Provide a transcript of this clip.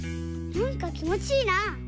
なんかきもちいいな！